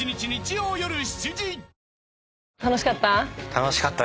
楽しかった？